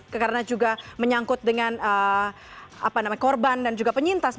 karena juga menyangkut dengan korban dan penyintas